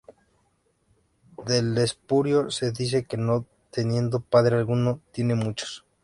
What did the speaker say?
Del espurio se dice que no teniendo padre alguno, tiene muchos.